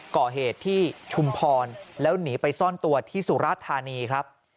ก่อเหตุที่ชุมพรแล้วหนีไปซ่อนตัวที่สุราธานีครับ